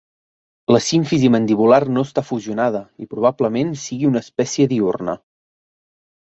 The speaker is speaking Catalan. La símfisi mandibular no està fusionada i probablement sigui una espècie diürna.